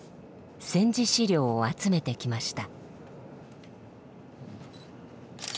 戦時資料を集めてきました。